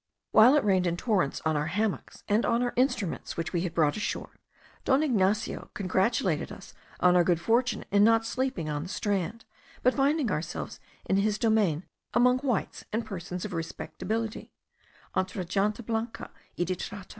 While it rained in torrents on our hammocks and on our instruments which we had brought ashore, Don Ignacio congratulated us on our good fortune in not sleeping on the strand, but finding ourselves in his domain, among whites and persons of respectability (entre gente blanca y de trato).